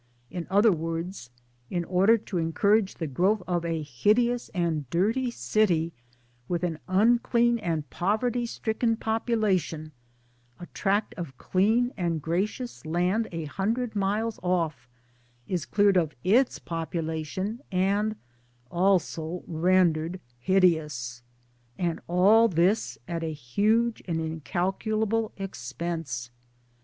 In other words, in order to encourage the growth of a hideous and dirty city with an unclean and poverty stricken population a tract of clean and gracious land a hundred miles off is cleared of its population and also rendered hideous ! And all this at a huge and incalculable expense.